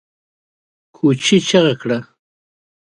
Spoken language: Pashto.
کوچي چيغه کړه!